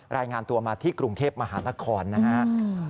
รายงานตัวมาที่กรุงเทพมหานครนะครับ